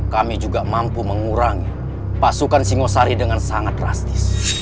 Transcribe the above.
kami juga mampu mengurangi pasukan singosari dengan sangat drastis